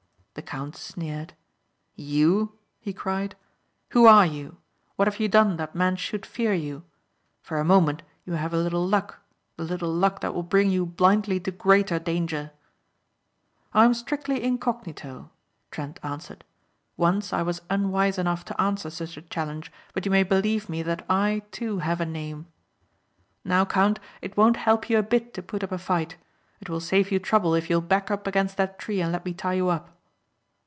The count sneered. "You," he cried, "Who are you? What have you done that men should fear you? For a moment you have a little luck, the little luck that will bring you blindly to greater danger." "I'm strictly incognito," Trent answered. "Once I was unwise enough to answer such a challenge, but you may believe me that I, too, have a name. Now count, it won't help you a bit to put up a fight. It will save you trouble if you'll back up against that tree and let me tie you up."